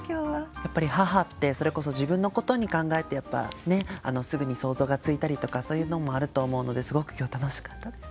やっぱり母って自分のことに考えてすぐに想像がついたりとかそういうのもあると思うのですごく今日楽しかったです。